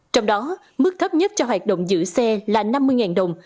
trong đó mức thấp nhất cho hoạt động giữ xe là năm mươi đồng